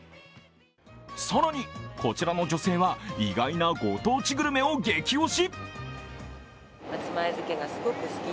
更に、こちらの女性は意外なご当地グルメを激押し。